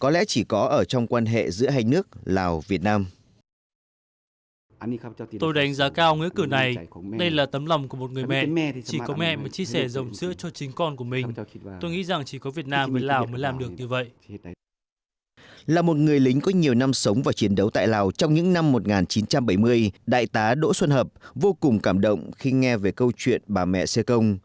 là một người lính có nhiều năm sống và chiến đấu tại lào trong những năm một nghìn chín trăm bảy mươi đại tá đỗ xuân hập vô cùng cảm động khi nghe về câu chuyện bà mẹ xe công